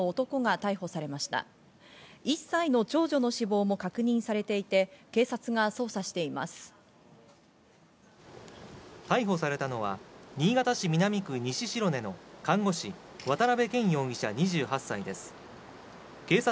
逮捕されたのは新潟市南区西白根の看護師・渡辺健容疑者、２８歳です。